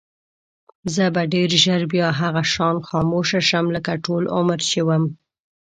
زه به ډېر ژر بیا هغه شان خاموشه شم لکه ټول عمر چې وم.